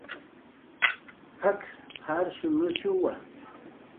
"P""ak"" jarshunushuwa "